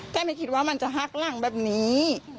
ไม่คิดว่ามันจะหักหลังแบบนี้